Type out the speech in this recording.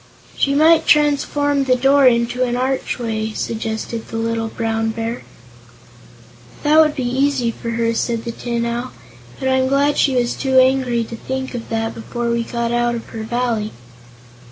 "She might transform the door into an archway," suggested the little Brown Bear. "That would be easy for her," said the Tin Owl; "but I'm glad she was too angry to think of that before we got out of her Valley."